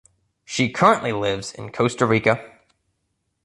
She currently lives in Costa Rica.